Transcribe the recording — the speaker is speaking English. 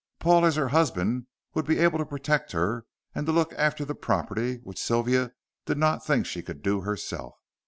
Paul as her husband would be able to protect her, and to look after the property which Sylvia did not think she could do herself.